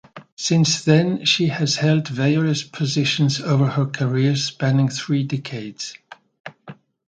Since then she has held various positions over her career spanning three decades.